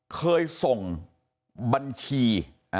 เคยส่งบัญชี